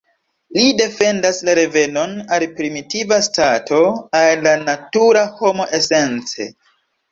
Li defendas la revenon al primitiva stato, al la natura homo esence.